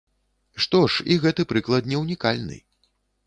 Што ж, і гэты прыклад не ўнікальны.